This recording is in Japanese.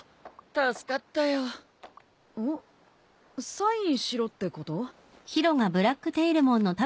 サインしろってこと？